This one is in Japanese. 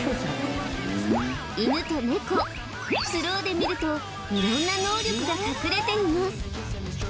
犬とネコスローで見ると色んな能力が隠れています